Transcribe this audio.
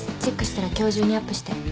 チェックしたら今日中にアップして。